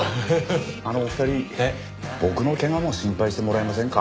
あのお二人僕の怪我も心配してもらえませんか？